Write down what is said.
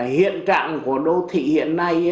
hiện trạng của đô thị hiện nay